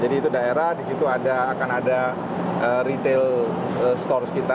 jadi itu daerah di situ ada akan ada retail stores kita